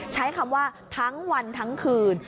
ใช้คำว่าทั้งวันทั้งคืน